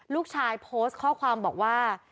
ลูกชายโพสต์ข้อความบอกว่า